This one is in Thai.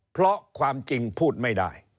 เพราะความจริงพูดไม่ได้